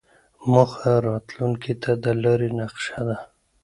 موخه راتلونکې ته د لارې نقشه ده.